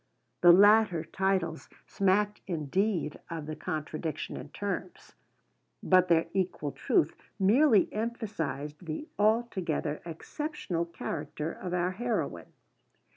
The latter titles smacked indeed of the contradiction in terms, but their equal truth merely emphasised the altogether exceptional character of our heroine.